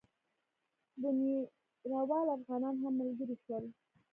بُنیروال افغانان هم ملګري شول.